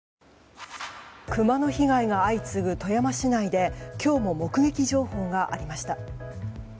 クマの被害が相次ぐ富山市内で今日も目撃情報がありました。